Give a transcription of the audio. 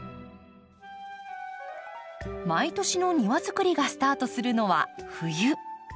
毎年の庭づくりがスタートするのは冬。